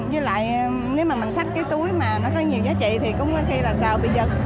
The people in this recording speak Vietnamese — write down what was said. với lại nếu mà mình xách cái túi mà nó có nhiều giá trị thì cũng khi là xào bị giật